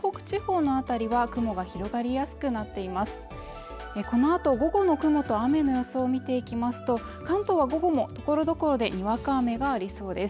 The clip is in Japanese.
このあと、午後の雲と雨の予想を見ていきますと関東は午後もところどころでにわか雨がありそうです。